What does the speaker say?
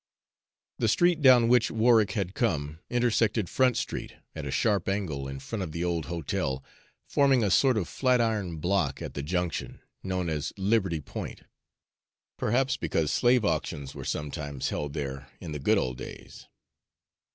The street down which Warwick had come intersected Front Street at a sharp angle in front of the old hotel, forming a sort of flatiron block at the junction, known as Liberty Point, perhaps because slave auctions were sometimes held there in the good old days.